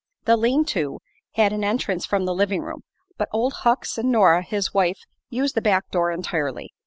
The lean to had an entrance from the living room, but Old Hucks and Nora his wife used the back door entirely.